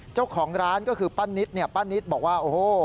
เจ้าของร้านก็คือปั้นนิดปั้นนิดบอกว่า